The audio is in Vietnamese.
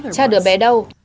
cha đứa bé đâu